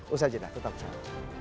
usha jeddah tetap bersama